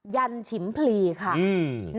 ยันฉิมพลีค่ะ